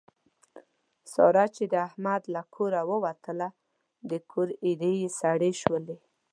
ساره چې د احمد له کوره ووتله د کور ایرې یې سړې شولې.